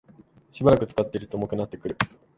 しばらく使っていると重くなってくる